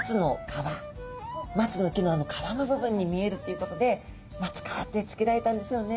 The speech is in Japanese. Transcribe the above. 松の木のあの皮の部分に見えるっていうことでマツカワって付けられたんでしょうね。